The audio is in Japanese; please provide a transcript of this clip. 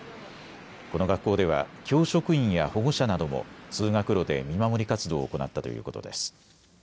この学校では教職員や保護者なども通学路で見守り活動を行ったということです。